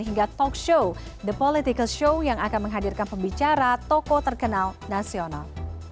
hingga talk show the political show yang akan menghadirkan pembicara toko terkenal nasional